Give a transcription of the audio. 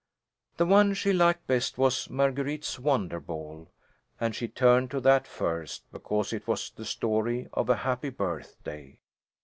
The one she liked best was "Marguerite's Wonder ball," and she turned to that first, because it was the story of a happy birthday.